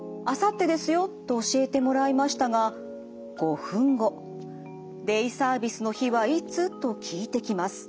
と教えてもらいましたが５分後「デイサービスの日はいつ？」と聞いてきます。